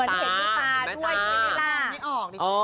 เหมือนเห็นมีตาด้วยใช่ไหมล่ะ